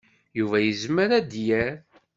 Yuba yezmer ad d-yerr.